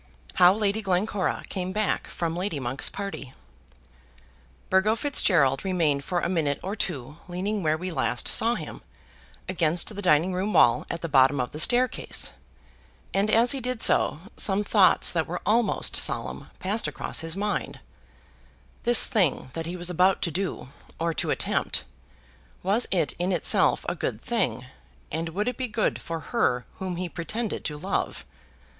How Lady Glencora Came Back from Lady Monk's Party. Burgo Fitzgerald remained for a minute or two leaning where we last saw him, against the dining room wall at the bottom of the staircase; and as he did so some thoughts that were almost solemn passed across his mind, This thing that he was about to do, or to attempt, was it in itself a good thing, and would it be good for her whom he pretended to love?